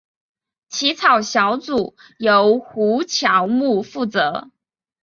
起草小组由胡乔木负责。